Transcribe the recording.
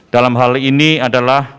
dalam hal ini adalah